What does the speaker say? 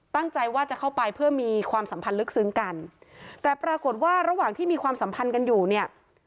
ตั้งใจว่าจะเข้าไปเพื่อมีความสัมพันธ์ลึกซึ้งกันแต่ปรากฏว่าระหว่างที่มีความสัมพันธ์กันอยู่เนี่ย